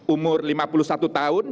umur lima puluh satu tahun